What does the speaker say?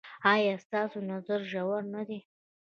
ایا ستاسو نظر ژور نه دی؟